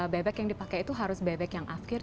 bebek yang dipakai itu harus bebek yang akhir